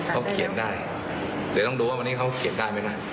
เขาเขียนได้เดี๋ยวต้องดูว่าวันนี้เขาเขียนได้ไหมนะ